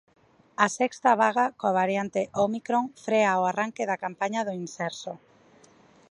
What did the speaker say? A sexta vaga coa variante ómicron frea o arranque da campaña do Imserso.